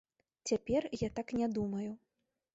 Цяпер я так не думаю.